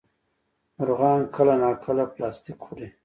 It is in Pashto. مرغان کله ناکله پلاستيک خوري.